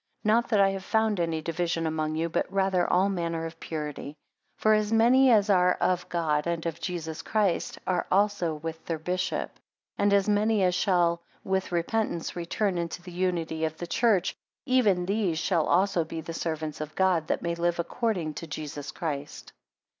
Not that I have found any division among you, but rather all manner of purity. 8 For as many as are of God, and of Jesus Christ, are also with their bishop. And as many as shall with repentance return into the unity of the church, even these shall also be the servants of God, that they may live according to Jesus Christ.